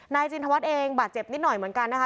จินทวัฒน์เองบาดเจ็บนิดหน่อยเหมือนกันนะคะ